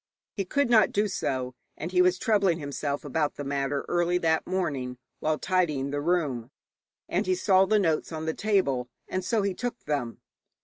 He could not do so, and he was troubling himself about the matter early that morning while tidying the room, and he saw the notes on the table, and so he took them.